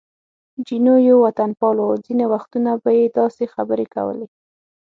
جینو یو وطنپال و، ځینې وختونه به یې داسې خبرې کولې.